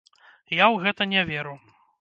Я ў гэта не веру.